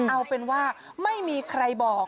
เอาเป็นว่าไม่มีใครบอก